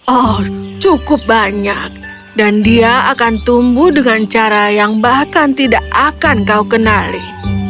oh cukup banyak dan dia akan tumbuh dengan cara yang bahkan tidak akan kau kenali